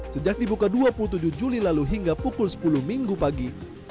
sejak dibuka dua puluh tujuh juli lalu hingga pukul sepuluh minggu pagi